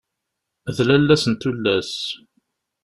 D lalla-s n tullas!